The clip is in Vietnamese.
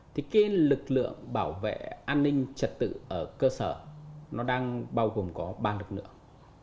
thì cái lực lượng bảo vệ an ninh trật tự ở cơ sở nó đang bao gồm có ba lực lượng